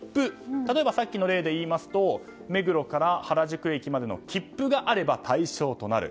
例えばさっきの例でいいますと目黒から原宿駅までの切符があれば対象となる。